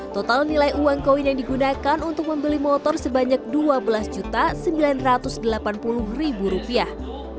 total nilai uang koin yang digunakan untuk membeli motor sebanyak dua belas sembilan ratus delapan puluh rupiah